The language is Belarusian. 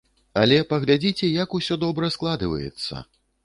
Але паглядзіце, як усё добра складваецца!